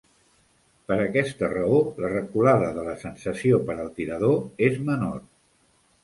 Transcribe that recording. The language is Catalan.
Per aquesta raó, la reculada de la sensació per al tirador és menor.